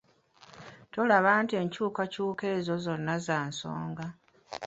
Tulaba nti enkyukakyuka ezo zonna za nsonga.